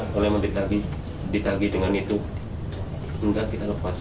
kalau emang ditagi ditagi dengan itu enggak kita lepas